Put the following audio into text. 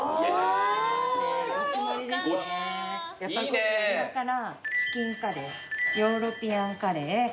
こちらから。